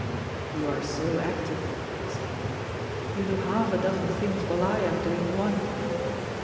"You are so active," he said; "you do half a dozen things while I am doing one."